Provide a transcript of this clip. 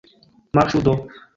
Marŝu do!